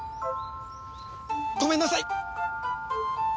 ごめんなさい！